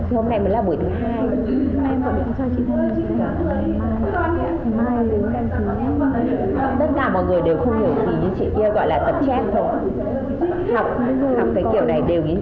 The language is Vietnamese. học cái kiểu này đều nhìn thấy hết cả